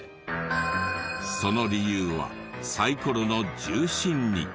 その理由はサイコロの重心に。